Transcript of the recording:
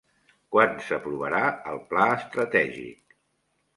Quan s'aprovarà el pla estratègic?